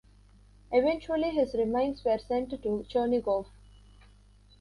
Eventually his remains were sent to Chernigov.